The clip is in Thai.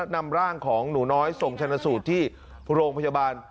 นำร่างของหนูน้อยส่งชนะสูตรที่โรงพยาบาล